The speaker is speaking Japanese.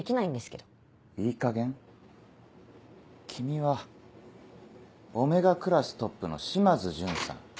君はΩクラストップの島津順さん。